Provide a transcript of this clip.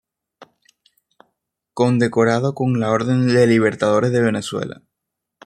Condecorado con la orden de Libertadores de Venezuela.